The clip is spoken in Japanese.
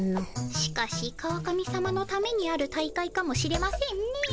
しかし川上さまのためにある大会かもしれませんねえ。